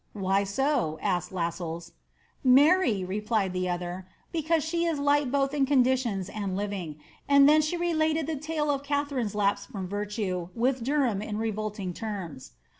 " Why no }'" asked Las •pHp. " Marry," replied the other, •* because she is light both in condi ■ •fn and living," and then she related ihe tale of Kathanne's lapse from ■11' wilh Derham in revnliing lerms.'